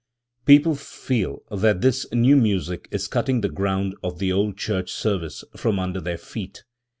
People feel that this new music is cutting the ground of the old church service from under their feet.